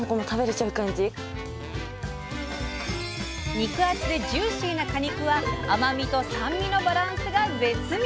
肉厚でジューシーな果肉は甘みと酸味のバランスが絶妙！